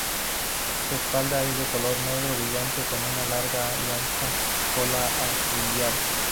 Su espalda es de color negro brillante con una larga y ancha cola ahorquillada.